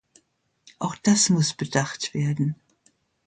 Auch das muss bedacht werden.